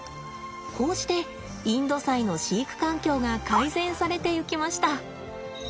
こうしてインドサイの飼育環境が改善されていきました。